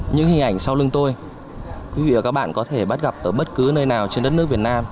những hình ảnh sau lưng tôi quý vị và các bạn có thể bắt gặp ở bất cứ nơi nào trên đất nước việt nam